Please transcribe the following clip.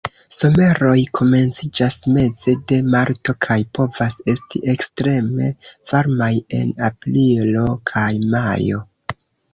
Someroj komenciĝas meze de marto kaj povas esti ekstreme varmaj en aprilo kaj majo.